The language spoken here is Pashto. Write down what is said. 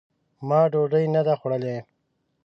ما ډوډۍ نه ده خوړلې !